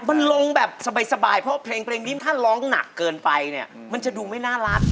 มันลงแบบสบายเพราะเพลงนี้ถ้าร้องหนักเกินไปเนี่ยมันจะดูไม่น่ารัก